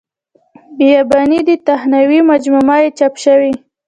بیاباني دې تخنوي مجموعه یې چاپ شوې.